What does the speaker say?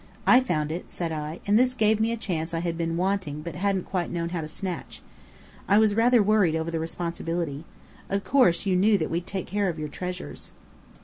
"I found it," said I, and this gave me a chance I had been wanting but hadn't quite known how to snatch. "I was rather worried over the responsibility. Of course you knew that we'd take care of your treasures."